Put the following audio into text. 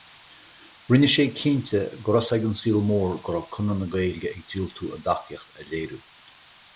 Rinne sé cinnte go raibh a fhios ag an saol mór go raibh Conradh na Gaeilge ag diúltú a dtacaíocht a léiriú.